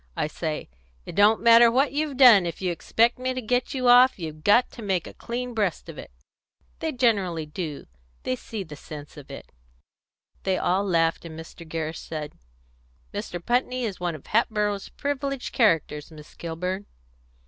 I say, 'It don't matter what you've done; if you expect me to get you off, you've got to make a clean breast of it.' They generally do; they see the sense of it." They all laughed, and Mr. Gerrish said, "Mr. Putney is one of Hatboro's privileged characters, Miss Kilburn."